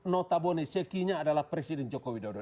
notabone cekinya adalah presiden jokowi dodo